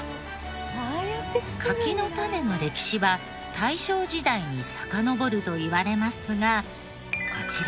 柿の種の歴史は大正時代にさかのぼるといわれますがこちら